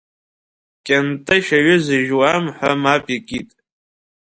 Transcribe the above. Кьынтышә аҩы зжәуам ҳәа мап икит.